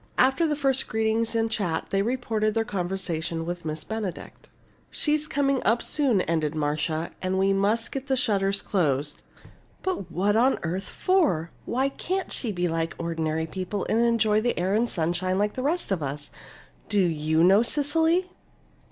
After the first greetings and chat they reported their conversation with Miss Benedict. "She's coming up soon," ended Marcia, "and we must get the shutters closed. But what on earth for? Why can't she be like ordinary people and enjoy the air and sunshine like the rest of us? Do you know, Cecily?"